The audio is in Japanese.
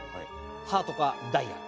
ハートかダイヤ。